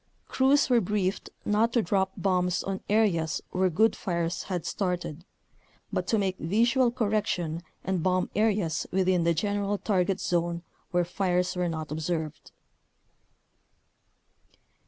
Crews were briefed not to drop bombs on areas where good fires had started, but to make vis ual correction and bomb areas within the gen eral target zone where fires were not observed.